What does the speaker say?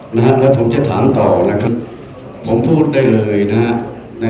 และผมจะถามต่อนะครับผมพูดได้เลยนะครับ